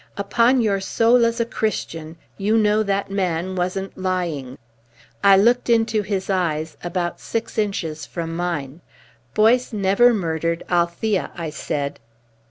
"Upon your soul as a Christian you know that man wasn't lying." I looked into his eyes about six inches from mine. "Boyce never murdered Althea," I said.